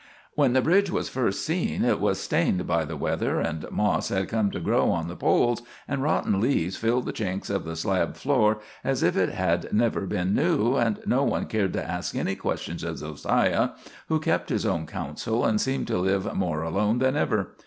"When the bridge was first seen, hit was stained by the weather, and moss had come to grow on the poles, and rotten leaves filled the chinks of the slab floor as if hit had never been new, and no one cared to ask any questions of Jo siah, who kept his own counsel and seemed to live more alone than ever.